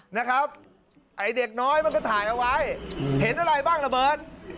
นะครับไอ้เด็กน้อยมันก็ถ่ายเอาไว้เห็นอะไรบ้างระเบิด